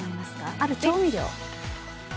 ある調味料。